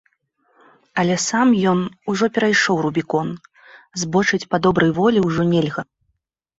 Але сам ён ужо перайшоў рубікон, збочыць па добрай волі ўжо нельга.